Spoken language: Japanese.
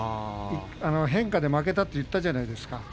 変化で負けたと言ったじゃないですか。